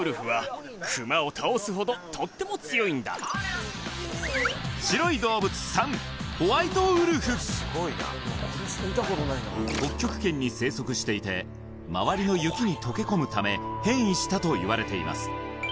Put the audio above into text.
次は白い動物３ホワイトウルフ北極圏に生息していて周りの雪に溶け込むため変異したといわれています